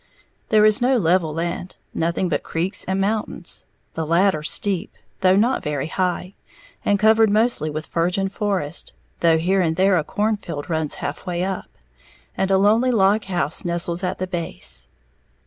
There is no level land, nothing but creeks and mountains, the latter steep, though not very high, and covered mostly with virgin forest, though here and there a cornfield runs half way up, and a lonely log house nestles at the base.